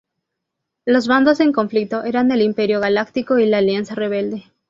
Los bandos en conflicto eran el Imperio Galáctico y la Alianza Rebelde.